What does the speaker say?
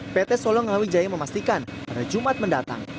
pt solongawi jaya memastikan pada jumat mendatang